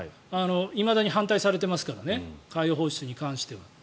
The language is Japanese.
いまだに反対されていますからね海洋放出に関しては。